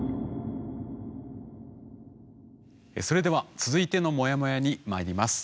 それでは続いてのモヤモヤにまいります。